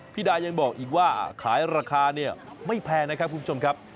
ดายังบอกอีกว่าขายราคาเนี่ยไม่แพงนะครับคุณผู้ชมครับ